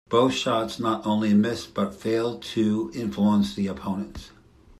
Both shots not only missed but failed to influence the opponents.